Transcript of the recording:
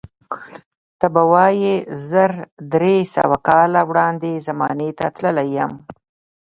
ته به وایې زر درې سوه کاله وړاندې زمانې ته تللی یم.